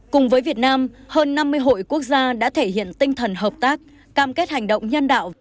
cùng với việt nam hơn năm mươi hội quốc gia đã thể hiện tinh thần hợp tác cam kết hành động nhân đạo